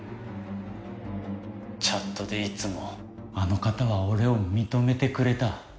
チャットでいつもあの方は俺を認めてくれた。